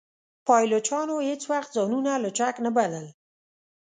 پایلوچانو هیڅ وخت ځانونه لوچک نه بلل.